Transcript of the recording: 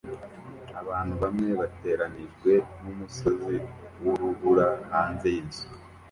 Abantu bamwe bateranijwe numusozi wurubura hanze yinzu